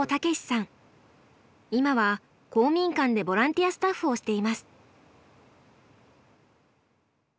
今は公民館でボランティアスタッフをしています。